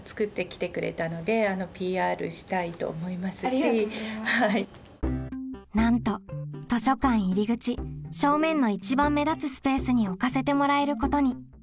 でそれをのなんと図書館入り口正面の一番目立つスペースに置かせてもらえることに。